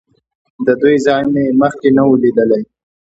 د دوی ځای مې مخکې نه و لیدلی.